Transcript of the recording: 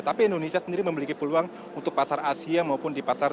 tapi indonesia sendiri memiliki peluang untuk pasar asia maupun di pasar